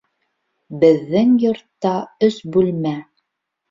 Беҙҙең йортта өс бүлмә